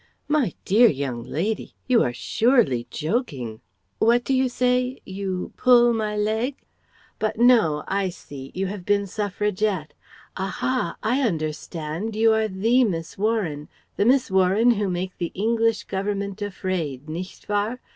"My dear young lady! You are surely joking what do you say? You pull my leg? But no; I see! You have been Suffragette. Aha! I understand you are the Miss Warren, the Miss Warren who make the English Government afraid, nicht wahr?